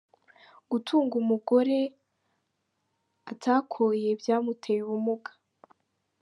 Gutunga umugore atakoye byamuteye ubumuga